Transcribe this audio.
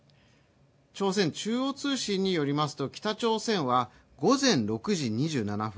朝鮮中央通信によりますと北朝鮮は午前６時２７分